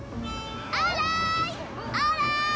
オーライ！